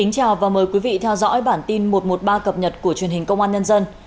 chào mừng quý vị đến với bản tin một trăm một mươi ba cập nhật của truyền hình công an nhân dân